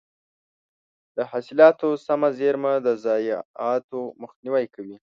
د حاصلاتو سمه زېرمه د ضایعاتو مخنیوی کوي.